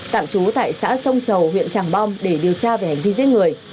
tạm trú tại xã sông trầu huyện tràng bom để điều tra về hành vi giết người